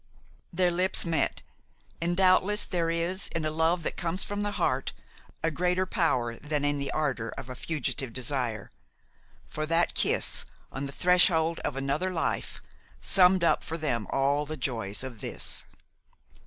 Their lips met; and doubtless there is in a love that comes from the heart a greater power than in the ardor of a fugitive desire; for that kiss, on the threshold of another life, summed up for them all the joys of this.